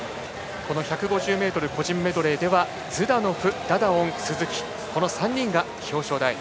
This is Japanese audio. １５０ｍ個人メドレーではズダノフ、ダダオン、鈴木この３人が表彰台。